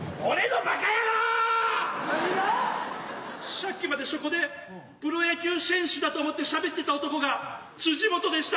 しゃっきまでしょこでプロ野球選手だと思ってしゃべってた男が辻本でした。